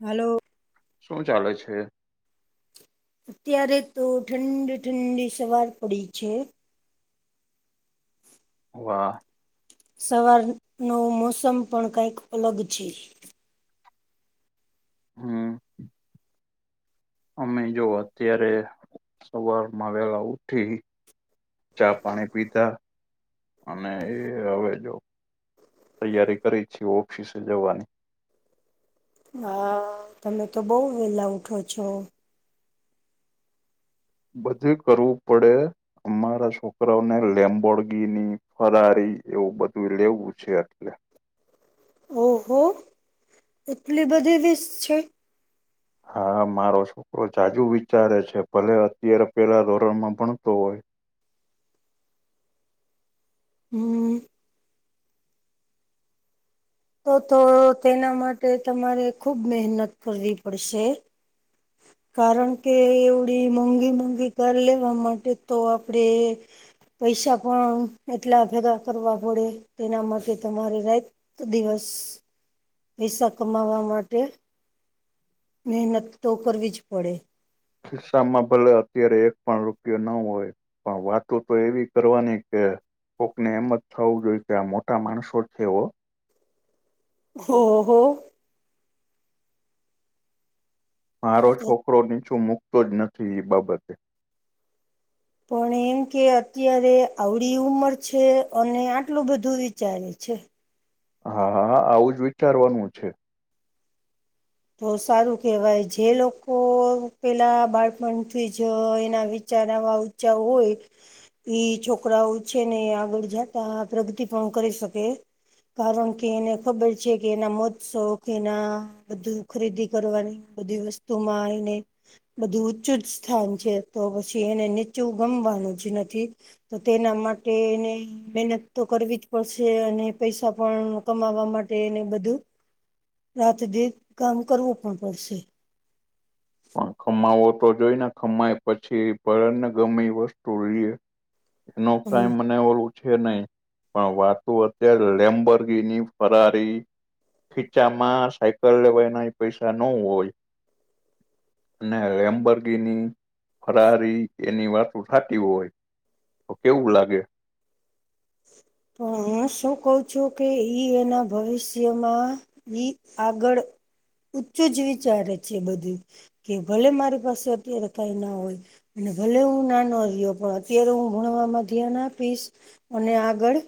Hello. શું ચાલે છે. અત્યારે તો ઠંડી ઠંડી સવાર પડી છે. વાહ! સવાર નો મોસમ પણ કંઈક અલગ છે. હમ. અમે જો, અત્યારે સવારમાં વેલા ઉઠી ચા પાણી પીતા અમે હવે તોહ તૈયારી કરી છે. ઓફિસે જવાની. હા. તમે તો બહુ વેલા ઉઠો છો. બધું એ કરવું પડે. અમારા છોકરાઓને લેંબોરગીની, ફરારી એવું બધું લેવું છે. એટલે ઓહો! એટલી બધી વીસ છે. હા મારો છોકરો ઝાઝું વિચારે છે, ભલે અત્યારે પેલા ધોરણમાં ભણતો હોય. હમ. તો તો, તેના માટે તમારે ખુબ મહેનત કરવી પડશે. કારણ કે એવડી મોંઘી-મોંઘી કાર લેવા માટે તો આપડે પૈસા પણ એટલા ભેગા કરવા પડે, તેના માટે તમારે રા તો દિવસ. પૈસા કમાવા માટે, મહેનત તો કરવી જ પડે. ખિસ્સામાં ભલે અત્યારે એક પણ રૂપિયો ન હોય. પણ વાતો તો એવી કરવાની કે કોકને એમ જ થવું જોઈએ કે, આ મોટા માણસો છે હો! હો હો મારો છોકરો નીચું મુકતો જ નથી, એ બાબતે. પણ એમ કે અત્યારે આવડી ઉંમર છે અને આટલું બધું વિચારે. એ છે. હા હા હા આવું જ વિચારવાનું છે. તો સારું કેહેવાય જે લોકો પેલા બાળપણથી જ એના વિચાર આવા જ હોય. ઈ છોકરાઓ છે ને આગળ જતા પ્રગતિ પણ કરી શકે. કારણ કે એને ખબર છે કે, એના મોત્સો કેના બધું ખરીદી કરવાની બધી વસ્તુમાં એને બધું ઉચ્ચુ સ્થાન છે તો પછી એને નીચું ગમવાનું જ નથી. તો તેના માટે એને મહેનત તો કરવી જ પડશે અને પૈસા પણ કમાવા માટેને બધું. રાત દેન કામ કરવું પડતું શે. ખમાવો તો જોઈને, ખમાય પછી ભરણ ને ગમે એ વસ્તુ લઈએ. નો હમ, ક્રાઈમ મને ઓ છે નહી પણ વાતો અત્યારે લેમ્બર્ગીની, ફરારી ખીચામાં સાયકલ લેવાયના પૈસા ન હોય ને લેમબર્ગીની, ફરારી એની વાતો ઠાતી હોય, તો કેવું લાગે? પણ શું કઉ છું કે ઈ એના ભવિષ્યમાં ની આગળ ઊચું જ વિચારે છે બધું. કે ભલે મારી પાસે અત્યારે કાઈ ના હોય. અને ભલે હું નાનો રહ્યો, પણ અત્યારે હું ભણવામાં ધ્યાન આપીશ, અને આગળ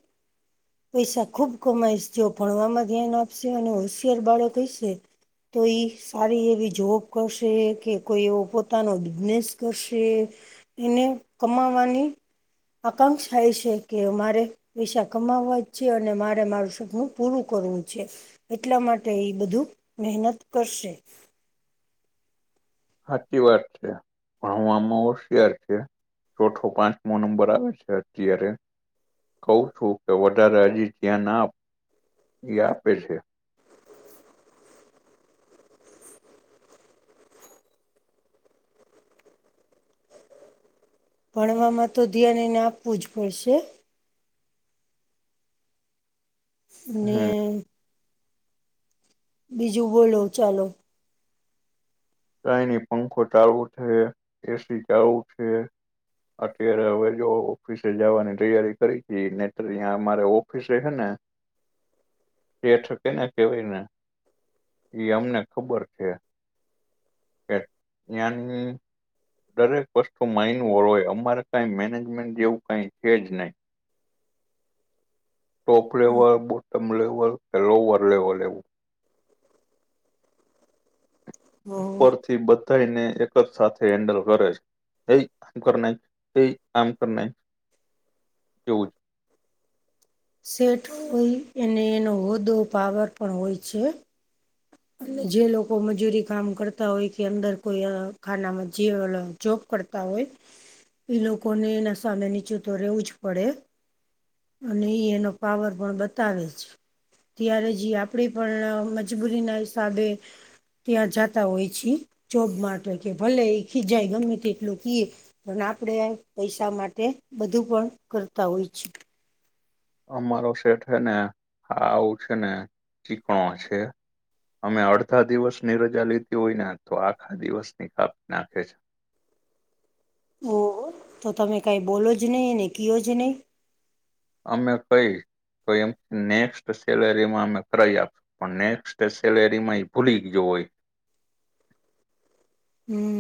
પૈસા ખુબ કમાઈશ, જો ભણવામાં ધ્યાન આપશે અને હોશિયાર બાળક હૈશે. તો ઈ સારી એવી જોબ કરશે, કે કોઈ એવો પોતાનો બિઝનેસ કરશે. એને કમાવાની આકાંક્ષા એ શે કે અમારે પૈશા કમાવા હોય છે અને મારે મારું સપનું પૂરું કરવું છે. એટલા માટે એ બધું મહેનત કરશે. હાતી વાત છે, ભણવામાં હોશિયાર છે. ચોથો પાંચમો નંબર આવે છે અત્યારે. કહુ છું કે વધારે હજી ધ્યાન આપ, ઈ આપે છે. ભણવામાં તો ધ્યાન એને આપવુંજ પડશે. હમ ને બીજું બોલો ચાલો. કાયની પંખો ચાલુ છે, એસી ચાલુ છે. અત્યારે હવેજો ઓફિસે જવાની તૈયારી કરી તી, નેત અમારે ઓફિસે હે ને [inaudible] પેઠ કેને કહેવાયને, એ અમને ખબર છે. ન્યાન દરેક વસ્તુ માંયને હોય, અમારે કઈ મેનેજમેન્ટ જેવું કઈ છેજ નહી. ટોપ લેવલ, બોટમ લેવલ, કે લોવર લેવલ એવું અ ઉપરથી બધાને એકજ સાથે હેન્ડલ કરે છે. કંઇક ઘટ નહિ, કંઈક આમ તેમ નહીં, એવુંજ સેઢ હોય અને એનો હો, પાવર પણ હોય છે. અને જે લોકો મજૂરી કામ કરતા હોય કે અંદર કોઈ અ ખાનામાં જે જોબ કરતા હોય, એ લોકોને એના સામે નીચે તો રહેેવુંજ પડે. અને એઈ એનો પાવર પણ બતાવે છે. ત્યારે જ ઈ આપણે પણ મજબૂરી ના હિસાબે ત્યાં જતા હોય છે જોબ માટે, કે ભલે એ ખીજાય ગમે તેટલું તે કિયે પણ આપડે પૈસા માટે બધું પણ કરતા હોય છે. અમારો સેટ હેને, આવું છે ને, ચીકણો છે. અમે અડધા દિવસ ની રજા લીધી હોય ને, તો આખા દિવસની કાપ નાખે છે. ઓહો, તો તમે કાઈ બોલો જ નહી, કયો જ નહીં. અમે કઈ, તો એમ નેક્સ્ટ સેલરીમાં અમે કરાઈ આપશું. પણ નેક્સ્ટ સેલેરી માં ભૂલી ગયો હોય. હમ્મ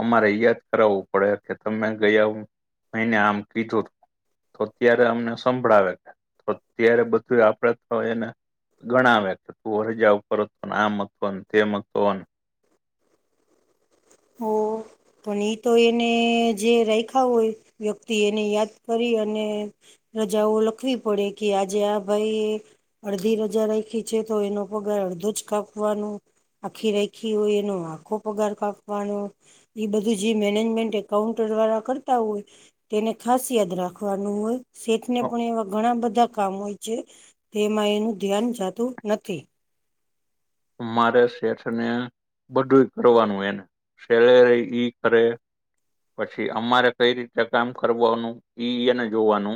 અમારે યાદ કરાવવું પડે કે તમે ગયા મહિને આમ કીધું. તો અત્યારે અમને સંભળાવે, તો અત્યારે બધું આપણેે તો એને ગણાવે કે તું હજા ઉપર હતો, આમ હતો ને તેમ હતો હો પણ ઈ તો એને જે રાખ્યા હોય વ્યક્તિ એને યાદ કરી અને રજાઓ લખવી પડે કે, આજે આ ભાઈ અડધી રજા રાખી છે તો એનો પગાર અડધો જ કાપવાનો આખી રાખી હોય એનો આખો પગાર કાપવાનો એ બધું જે મેનેજમેન્ટ એકાઉન્ટર દ્વારા કરતા હોય. તેને ખાસ યાદ રાખવાનું હોય શેઠ ને તો પણ એવા ઘણા બધા કામ હોય છે. તેમાં એનું ધ્યાન જતું નથી મારે શેઠને બધું કરવાનું એને શેલે ર ઈ કર. પછી અમારે કઈ રીતે કામ કરવાનું ઈને જોવાનુ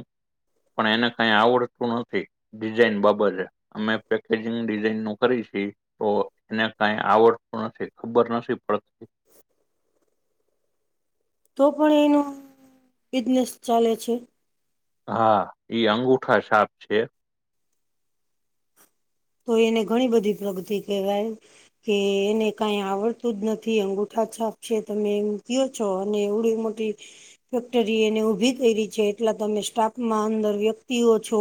પણ એને કઈ આવડતું નથી. ડિઝાઇન બાબત અમે પેકેજિંગ ડિઝાઇન નું કરીશી તો એને કઈ આવડતું નથી ખબર નથી પડતી [unintelligible] તો પણ એનો બિઝનેસ ચાલે છે. હા ઈ અંગુઠા શાપ છે. તો એને ઘણી બધી પ્રગતિ કહેવાય કે એને કાઈ આવડતું જ નથી અંગુઠા છાપ છે તમે મૂકયો છો અને એવડી મોટી ફેક્ટરી એને ઉભી કરી છે એટલા તમે સ્ટાફમાં અંદર વ્યક્તિઓ છો.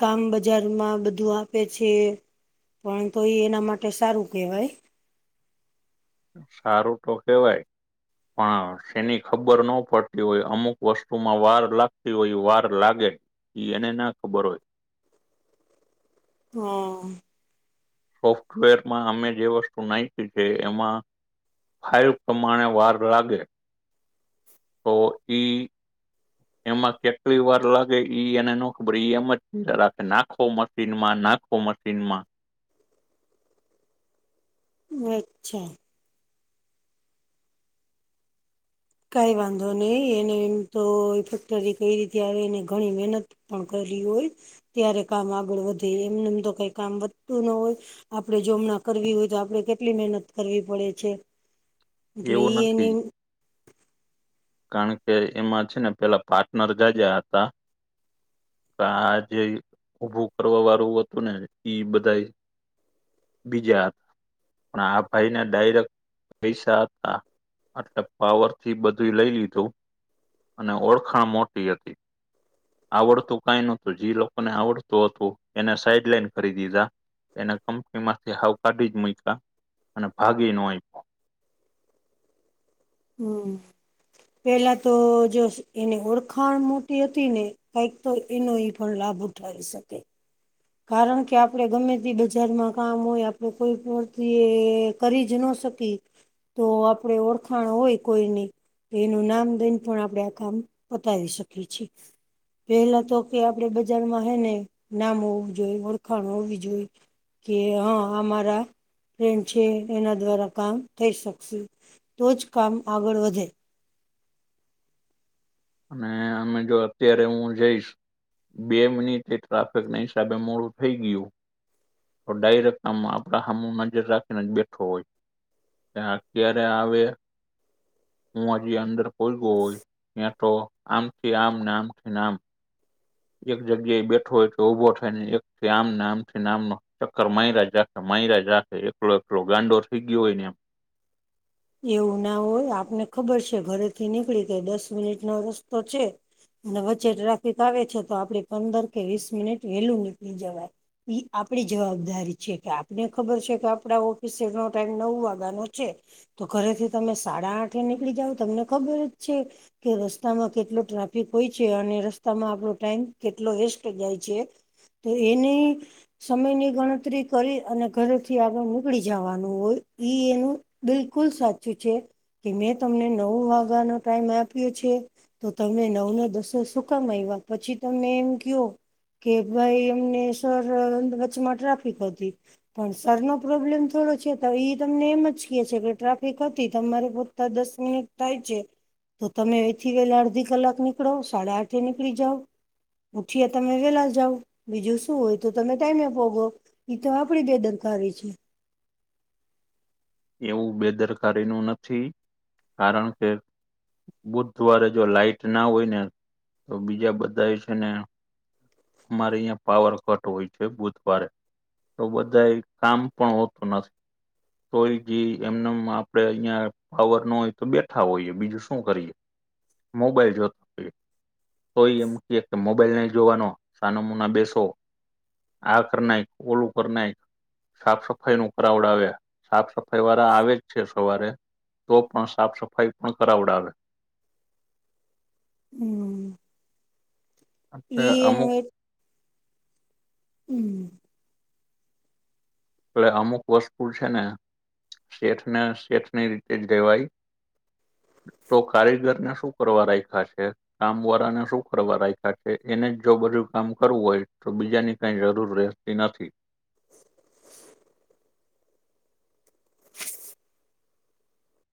કામ બજાર માં બધું આપે પછી પણ તો એ એના માટે સારું કહેવાય સારું તો કેહેવાય પણ તેની ખબર ન પડતી હોય અમુક વસ્તુમાં વાર લાગતી હોય, વાર લાગે. ઈ એને ના ખબર હોય. હા સોફ્ટવેર માં અમે જે વસ્તુ નાખી છે, એમાં ફાઈવ પ્રમાણે વાર લાગે તો ઈ. એમાં કેટલી વાર લાગે એને ન ખબર એમ જ નાખો મશીનમાં નાખો કોમાર સિમા વે છેે. કઈ વાંધો નહી એને એમ તો ફેક્ટરી કઈ રીતે આવે એને ઘણી મહેનત પણ કરી હોય ત્યારે કામ આગળ વધે એમને એમ તો કઈ કામ વધતું ન હોય. આપડણે જો હમણા કરવી હોય તો આપડણે કેટલી મહેનત કરવી પડે છે. એટલે એવું નથી એની કારણ કે એમાં છે ને પેલા પાર્ટનર ગજા હતા. આ જે ઉઊભું કરવા વાળું હતું ને ઈ બધા બીજા હતા પણ આ ભાઈને ડાયરેક્ટ પૈસા હા એટલે પાવર થી બધું લઈ લીધુ અને ઓળખાણ મોટી હતી. આવડતું કઈ નોતું જે લોકોને આવડતું હતું એને સાઈડ લઈન ખરીદીધા એને કંપનીમાંથી હાવ કાઢી જ મુકા અને ભાગી નય. હમ પેલા તો જો. એને ઓળખાણ મોટી હતી ને કઈક તો એનો એ પણ લાભ ઉઠાવી શકે કારણ કે આપણે ગમે તે બજારમાં કામ હોય આપણે કોઈ વતિ કરી જ ન શકી તો આપડણે ઓળખાણ હોય કોઈ નહી. એનું નામ દઈને પણ આપણે આ કામ પતાવી શકીએ છીએ. પેલા તો કે આપડે બજારમાં હે ને નામ હોવું જોઈએ ઓળખાણ હોવી જોઈ. કે હા અમારા ફ્રેડ છે એના દ્વારા કામ થઈ શકશે તો જ કામ આગળ વધે. અને અમે જો અત્યારે હું જઈશ બે મિનિટે ટ્રાફિક ના હિસાબે મોડું થઈ ગયુ. તો ડાયરેક્ટ કામ આપડા સામ નજર રાખીને જ બેઠો હોય. ત્યા ક્યારે આવે હું હજી અંદર કોઈ ગયો હોય ત્યા તો આમથી આમ નામથી નામ. એક જગ્યા એ બેઠો હોય તો ઉઊભો થાય ને એકથી આમને આમથી આમનો ચક્કર માયરા જાખે માયરા રાખે એકલો એકલો ગાંડો થઈ ગયો હોય ને એમ. એવું ના હોય આપને ખબર છે ઘરેથી નીકળી તો દસ મિનિટ નો રસ્તો છે. અને વચ્ચે ટ્રાફિક આવે છે તો આપડ પંદર કે વીસ મિનિટ વેલું નીકળી જવાય. એ આપડી જવાબદારી છે કે આપને ખબર છે કે આપડા ઓફિસનો ટાઈમ નવ વાગ્યાનો છે. તો ઘરેથી તમે સાડા આઠે નીકળી જાવ તમને ખબર જ છે. કે રસ્તામાં કેટલો ટ્રાફિક હોય છે અને રસ્તામાં આપણો ટાઈમ કેટલો વેસ્ટ જાય છે. તો એને સમયની ગણતરી કરી અને ઘરેથી આગળ નીકળી જવાનું હોય ઈ એનું બિલકુલ સાચું છે કે મેં તમને નવ વાગ્યાનોો ટાઈમ આપ્યો છે. તો તમે નવ ના દસો સુકામાં આવ્યા પછી તમમે એમ કયો? કે ભાઈ અમને સર વચમાં ટ્રાફિક હતી. પણ સર નો પ્રોબ્લેમ થોડો છે તો તમને એમ જ ક છે. ટ્રાફિક હતી તમારે પોતા દસ મિનિટ થાય છે. તો તમે એથી વહેલા અડધી કલાક નીકળો સાડા આઠે નીકળી જાઓ. ઉઠી્યા તમે વેલા જાવ બીજું શું હોય તો તમે ટાઈમે પોગો. એ તો આપડે દ દરકારી છે. એવું બેદરકારી નું નથી કારણ કે બુધવારે જો લાઈટ ના હોય ને તો બીજા બધા એ છે ને અમારે અહં પાવર કટ હોય છે બુધવારે. તો બધા કામ પણ હોતું નથી. તોય જ એમને આપડે અહિયાં પાવર ન હોય તો બેઠા હોઈએ બીજું શું કરીએ. મોબાઈલ જોતો હોઈએ તોય એ મૂકીએ કે મોબાઈલ ન જોવાનો સાનામૂના બેસો. આ કર નાય કોલ ઉપર નાય સાફ સફાઈ નું કરઉડ આવ્યા. સાફ સફાઈ વાળા આવે જ છે સવારે તો પણ સાફ સફાઈ પણ કરાવડાવે હમ અ ઈ એનું અમુક એક હમ એટલે અમુક વસ્તુ છે ને શેઠને શેઠની રીતે જ રેવાય. તો કારીગર ને શું કરવા દાખ્યા છે. કામ વાળા ને શું કરવા રાખ્યા છે એને જ જો બધું કામ કરવું હોય તો બીજાની કઈ જરૂર રહે. તે નથી